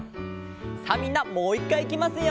さあみんなもう１かいいきますよ。